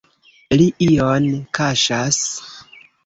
Li ion kaŝas!